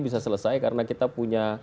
bisa selesai karena kita punya